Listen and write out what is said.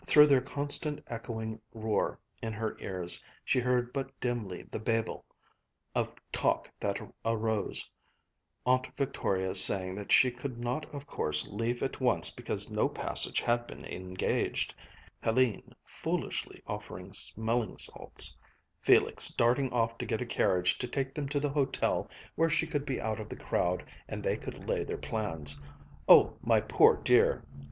Through their constant echoing roar in her ears she heard but dimly the babel of talk that arose Aunt Victoria saying that she could not of course leave at once because no passage had been engaged, Hélène foolishly offering smelling salts, Felix darting off to get a carriage to take them to the hotel where she could be out of the crowd and they could lay their plans "Oh, my poor dear!